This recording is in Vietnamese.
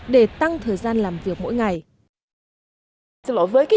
để tăng thời gian làm việc